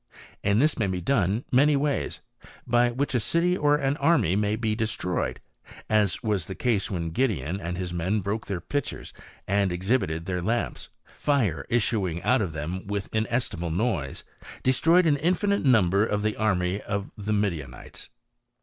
And thii may be done many ways, by which a city or an anm may be destroyed, as was the case when Gideon an( his men broke their pitchers and exhibited their lamps fire issuing out of them with inestimable noise, dc stroyed an infinite number of the army of the Midiac ites."